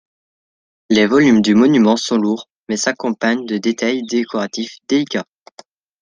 Les volumes du monument sont lourds mais s'accompagnent de détails décoratifs délicats.